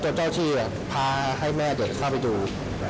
เจ้าที่พาให้แม่เด็กเข้าไปดู